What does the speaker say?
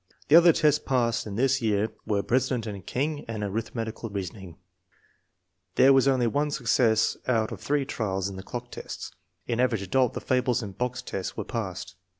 The other tests passed in this FORTY ONE SUPERIOR CHILDREN 253 year were president and king and arithmetical reason ing. There was only one success out of three trials in the clock test. In Average Adult the fables and box test were passed.